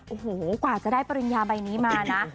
โอ้โหกว่าจะได้ปริญญาใบนี้มานะ